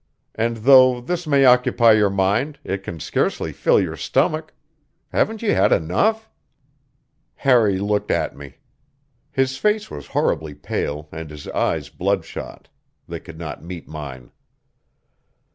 And though this may occupy your mind, it can scarcely fill your stomach. Haven't you had enough?" Harry looked at me. His face was horribly pale and his eyes bloodshot; they could not meet mine.